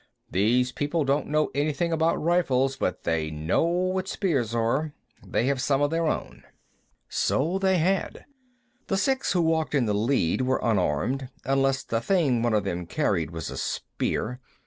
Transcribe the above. These people don't know anything about rifles, but they know what spears are. They have some of their own." So they had. The six who walked in the lead were unarmed, unless the thing one of them carried was a spear.